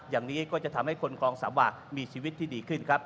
อย่างนี้ก็จะทำให้คนคลองสามวามีชีวิตที่ดีขึ้นครับ